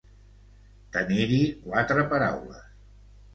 Tenir-hi quatre paraules.